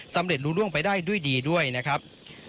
สำเร็จรู้ร่วงไปได้ด้วยดีด้วยนะครับ